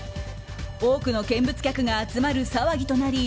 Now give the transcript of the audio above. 多くの見物客が集まる騒ぎとなり